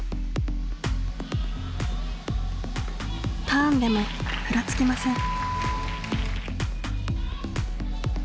ターンでもふらつきません。